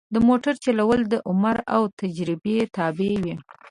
د موټر چلول د عمر او تجربه تابع وي.